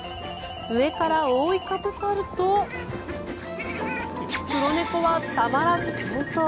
上から覆いかぶさると黒猫はたまらず逃走。